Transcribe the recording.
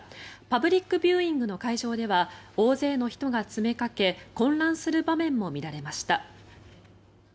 パブリックビューイングの会場では、大勢の人が詰めかけ混乱する場面も見られました。